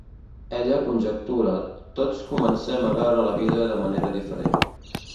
Ella conjectura, tots comencem a veure la vida de manera diferent.